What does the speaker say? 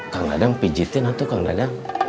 kang dadang pijetin tuh kang dadang